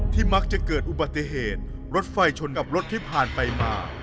มักจะเกิดอุบัติเหตุรถไฟชนกับรถที่ผ่านไปมา